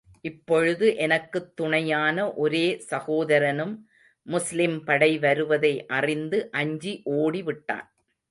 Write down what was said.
இப்பொழுது எனக்குத் துணையான ஒரே சகோதரனும் முஸ்லிம் படை வருவதை அறிந்து, அஞ்சி ஓடி விட்டான்.